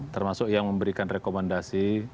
termasuk yang memberikan rekomendasi